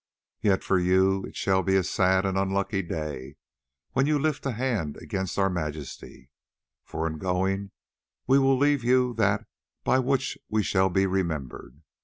"Yet for you it shall be a sad and an unlucky day when ye lift a hand against our majesty, for in going we will leave you that by which we shall be remembered.